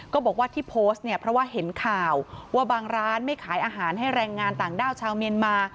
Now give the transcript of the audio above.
ก็บอกว่าที่โพสต์เนี่ยเพราะว่าเห็นข่าวว่าบางร้านไม่ขายอาหารให้แรงงานต่างด้าวชาวเมียนมา